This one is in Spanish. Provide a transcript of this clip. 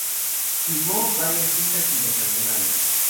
Filmó varias cintas internacionales.